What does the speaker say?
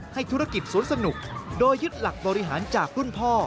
ธุรกิจสวนสนุกโดยยึดหลักบริหารจากรุ่นพ่อ